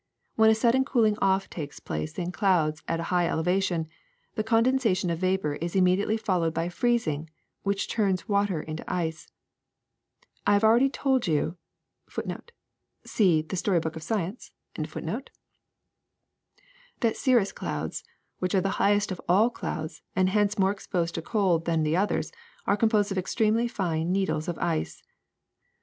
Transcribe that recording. When a sudden cooling off takes place in clouds at a high elevation, the condensation of vapor is immediately followed by freezing, which turns water into ice. I have already told you ^ that cirrus clouds, Snow Crystals which are the highest of all clouds and hence more exposed to cold than the others, are composed of extremely fine needles of ice.